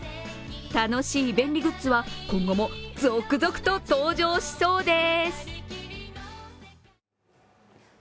楽しい便利グッズは今後も続々と登場しそうです。